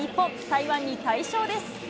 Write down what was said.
台湾に大勝です。